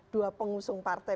dua pengusung partai